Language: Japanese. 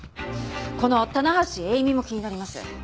この棚橋詠美も気になります。